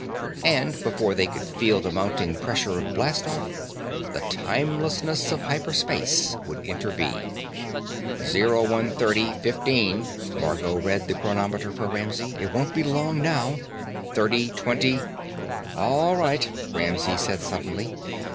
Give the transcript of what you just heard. And, before they could feel the mounting pressure of blastoff, the timelessness of hyper space would intervene. "0130:15," Margot read the chronometer for Ramsey. "It won't be long now. 30:20 " "All right," Ramsey said suddenly.